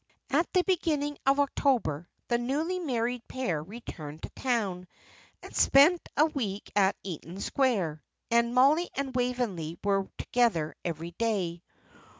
At the beginning of October the newly married pair returned to town, and spent a week at Eaton Square, and Mollie and Waveney were together every day.